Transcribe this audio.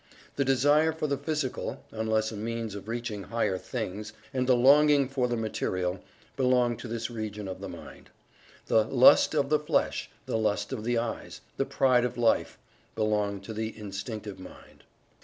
The desire for the physical (unless a means of reaching higher things) and the longing for the material, belong to this region of the mind. The "lust of the flesh; the lust of the eyes; the pride of life," belong to the Instinctive Mind.